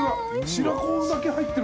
白子だけ入ってる。